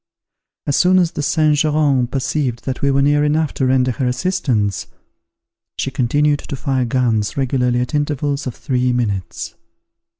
As soon as the Saint Geran perceived that we were near enough to render her assistance, she continued to fire guns regularly at intervals of three minutes.